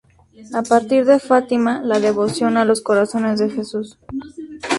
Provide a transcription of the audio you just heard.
A partir de Fátima, la devoción a los corazones de Jesús.